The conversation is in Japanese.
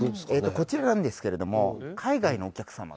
こちらなんですけれども海外のお客様が。